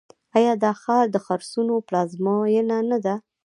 آیا دا ښار د خرسونو پلازمینه نه ده؟